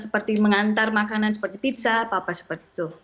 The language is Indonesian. seperti mengantar makanan seperti pizza apa apa seperti itu